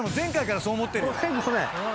ごめんごめん。